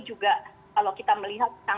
juga kalau kita melihat